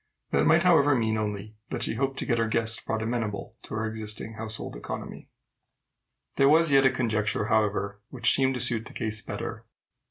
That might, however, mean only that she hoped soon to get her guest brought amenable to her existing household economy. There was yet a conjecture, however, which seemed to suit the case better.